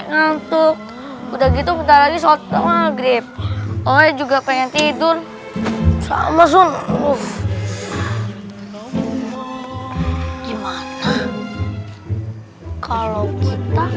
tentu udah gitu betul betul grip oh juga pengen tidur sama sunup gimana kalau kita